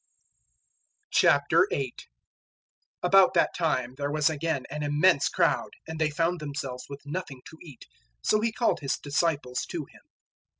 008:001 About that time there was again an immense crowd, and they found themselves with nothing to eat. So He called His disciples to Him.